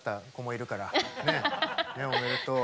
おめでとう。